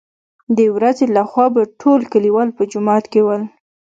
دورځې له خوا به ټول کليوال په جومات کې ول.